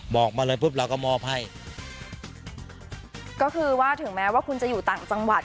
บอกมาเลยปุ๊บเราก็มอบให้ก็คือว่าถึงแม้ว่าคุณจะอยู่ต่างจังหวัด